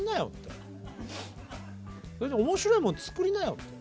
それで「面白いもん作りなよ」って。